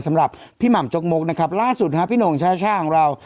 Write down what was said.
สำหรับพี่หม่ำจกมกนะครับล่าสุดฮะพี่หน่งช่าของเรา